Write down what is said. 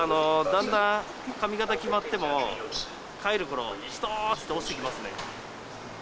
だんだん髪形決まっても、帰るころ、すとーんと落ちてきますね。